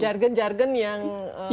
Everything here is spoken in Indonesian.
jargon jargon yang asing begitu ya